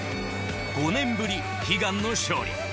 ５年ぶり悲願の勝利。